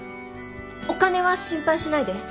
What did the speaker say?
お金は心配しないで。